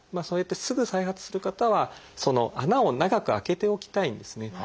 そうやってすぐ再発する方は穴を長く開けておきたいんですね。